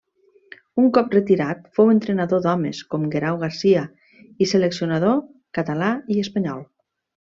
Un cop retirat fou entrenador d'homes com Guerau Garcia i seleccionador català i espanyol.